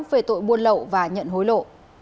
về tội buôn lậu và nhận hối lộ